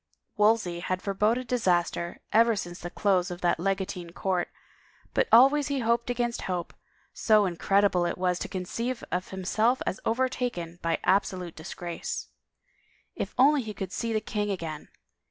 Wolsey had foreboded disaster ever since the close of that legatine court, but always he hoped against hope, so incredible it was to conceive of himself as overtaken by absolute disgrace. If only he could see the king again